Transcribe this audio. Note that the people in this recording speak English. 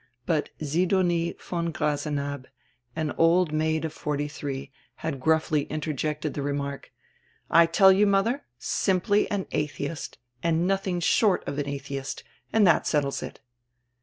But Sidonie von Grasenabb, an old nraid of forty three, had gruffly interjected tire remark: "I tell you, mother, simply air atheist, and nothing short of air atheist, and that settles it."